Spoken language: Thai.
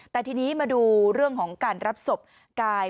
แต่ทีนี้มาดูเรื่องของการรับศพกาย